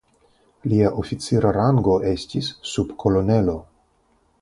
Lia oficira rango estis subkolonelo.